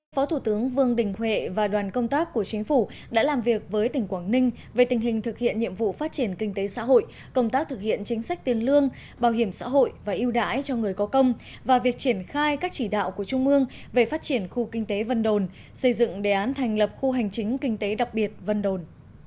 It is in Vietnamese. phó thủ tướng vương đình huệ và đoàn công tác của chính phủ đã làm việc với tỉnh quảng ninh về tình hình thực hiện nhiệm vụ phát triển kinh tế xã hội công tác thực hiện chính sách tiền lương bảo hiểm xã hội và yêu đãi cho người có công và việc triển khai các chỉ đạo của trung ương về phát triển khu kinh tế vân đồn xây dựng đề án thành lập khu hành chính kinh tế đặc biệt vân đồn